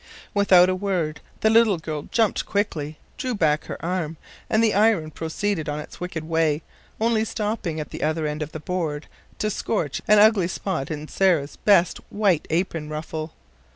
Without a word, the little girl jumped quickly, drew back her arm, and the iron proceeded on its wicked way, only stopping at the other end of the board to scorch an ugly spot in Sarah's best white apron ruffle.